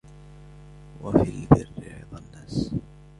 وَفِي الْبِرِّ رِضَى النَّاسِ